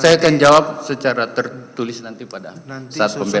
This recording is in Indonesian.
saya akan jawab secara tertulis nanti pada saat pembelajaran